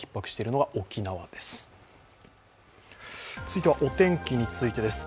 続いてはお天気についてです。